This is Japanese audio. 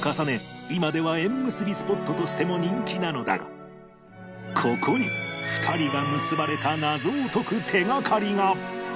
今では縁結びスポットとしても人気なのだがここに２人が結ばれた謎を解く手掛かりが！